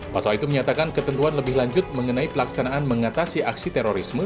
pasal itu menyatakan ketentuan lebih lanjut mengenai pelaksanaan mengatasi aksi terorisme